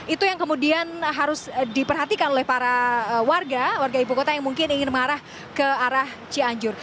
itu yang kemudian harus diperhatikan oleh para warga warga ibu kota yang mungkin ingin mengarah ke arah cianjur